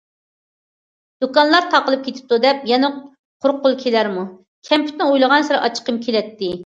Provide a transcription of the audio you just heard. ‹‹ دۇكانلار تاقىلىپ كېتىپتۇ دەپ يەنە قۇرۇق قول كېلەرمۇ؟›› كەمپۈتنى ئويلىغانسېرى ئاچچىقىم كېلەتتى.